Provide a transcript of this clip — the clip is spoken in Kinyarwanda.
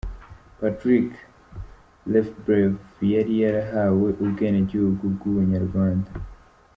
Patrick Lefebvre yari yarahawe ubwene gihugu bw’ubunyarwanda.